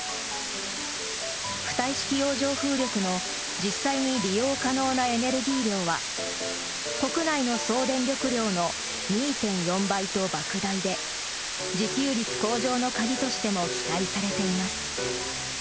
浮体式洋上風力の実際に利用可能なエネルギー量は国内の総電力量の２．４倍とばく大で自給率向上の鍵としても期待されています。